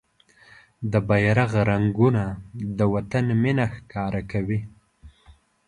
د بېرغ رنګونه د وطن مينه ښکاره کوي.